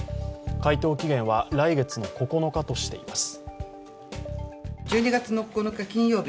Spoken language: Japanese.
回答期限は来月の９日としています